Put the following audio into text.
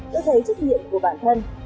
đưa thấy trách nhiệm của bản thân